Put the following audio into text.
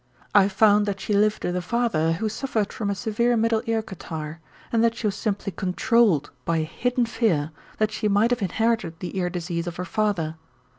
I found that she lived with a father who suffered from a severe middle ear catarrh and that she was simply controlled by a hidden fear that she might have inherited the ear disease of her father.